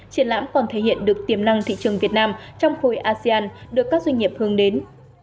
triển lãm còn thể hiện được tiềm năng thị trường việt nam trong khối asean được các doanh nghiệp hướng đến